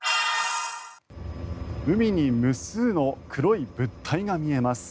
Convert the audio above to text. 海に無数の黒い物体が見えます。